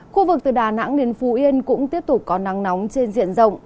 khu vực từ đà nẵng đến phú yên cũng tiếp tục có nắng nóng trên diện rộng